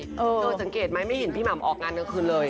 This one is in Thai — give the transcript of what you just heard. เธอสังเกตไหมไม่เห็นพี่มัมออกงานเมื่อคืนเลย